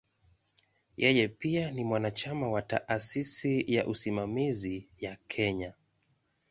Yeye pia ni mwanachama wa "Taasisi ya Usimamizi ya Kenya".